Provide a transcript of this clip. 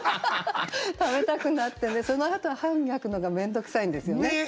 食べたくなってねそのあと歯を磨くのが面倒くさいんですよね。